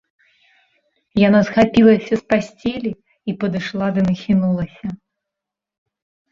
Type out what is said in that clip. Яна схапілася з пасцелі і падышла ды нахінулася.